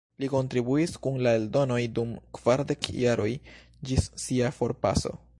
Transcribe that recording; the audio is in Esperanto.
Li kontribuis kun la eldonoj dum kvardek jaroj, ĝis sia forpaso.